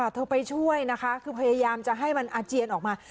ไปช่วยนะคะคือพยายามจะให้มันอาเจียนออกมา